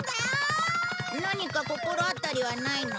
何か心当たりはないの？